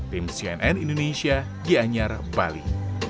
tim cnn indonesia gianyar bali